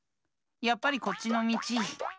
やっぱりこっちのみち！